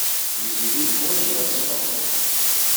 Tiziri teḥwaj tasfeḍt.